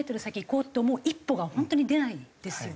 こうって思う一歩が本当に出ないですよね。